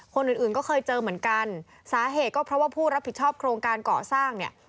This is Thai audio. คนอื่นอื่นก็เคยเจอเหมือนกันสาเหตุก็เพราะว่าผู้รับผิดชอบโครงการก่อสร้างเนี่ย